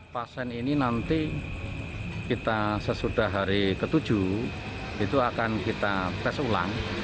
pasien ini nanti kita sesudah hari ke tujuh itu akan kita tes ulang